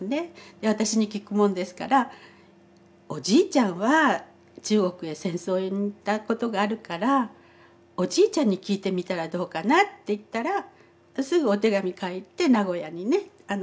で私に聞くもんですからおじいちゃんは中国へ戦争に行ったことがあるからおじいちゃんに聞いてみたらどうかなって言ったらすぐお手紙書いて名古屋にね。